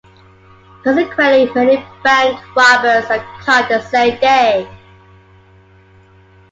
Consequently, many bank robbers are caught the same day.